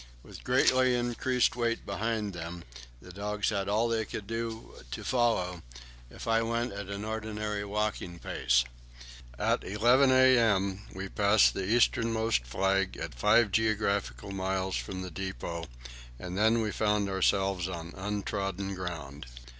With the greatly increased weight behind them the dogs had all they could do to follow, if I went at an ordinary walking pace. At 11 a.m. we passed the easternmost flag, at five geographical miles from the depot, and then we found ourselves on untrodden ground.